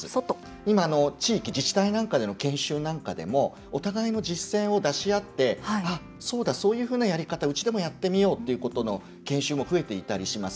今、地域、自治体の研修なんかでもお互いの実践を出し合ってあっ、そうだそういうふうなやり方うちでもやってみようっていうことの研修も増えていたりします。